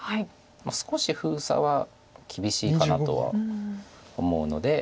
少し封鎖は厳しいかなとは思うので。